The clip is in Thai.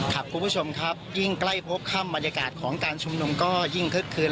ครับคุณผู้ชมครับยิ่งใกล้พบค่ำบรรยากาศของการชุมนุมก็ยิ่งคึกคืน